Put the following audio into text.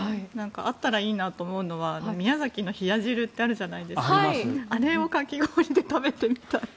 会ったらいいなと思うのは宮崎の冷や汁ってあるじゃないですかあれをかき氷で食べてみたい。